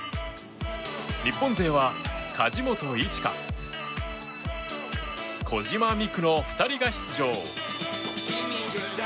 日本勢は梶本一花小島光丘の２人が出場。